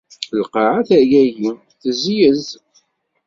Lqaɛa tergagi, tezlez.